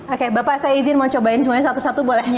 oke bapak saya izin mau cobain semuanya satu satu bolehnya